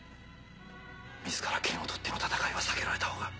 自ら剣を取っての戦いは避けられたほうが。